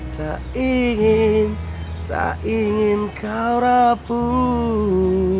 tak ingin tak ingin kau rapuh